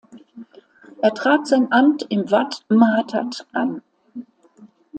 Er trat sein Amt im Wat Mahathat an.